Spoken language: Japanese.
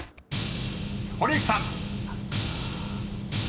［堀内さん］